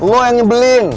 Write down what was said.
lo yang ngebelin